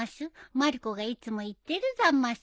まる子がいつも言ってるざます。